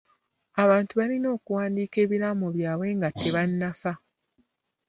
Abantu balina okuwandiika ebiraamo byabwe nga tebannafa.